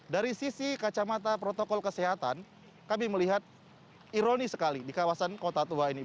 dari sisi kacamata protokol kesehatan kami melihat ironis sekali di kawasan kota tua ini